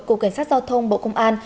cục cảnh sát giao thông bộ công an